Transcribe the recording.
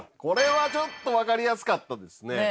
これはちょっとわかりやすかったですね。